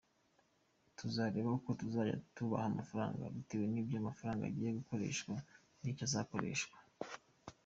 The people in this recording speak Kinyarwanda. Tuzareba uko tuzajya tubaha amafaranga bitewe n’ibyo amafaranga agiye gukoreshwa n’icyo azakoreshwa.